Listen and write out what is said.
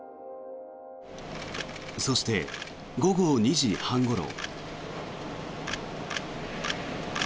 そして午後２時半ごろ。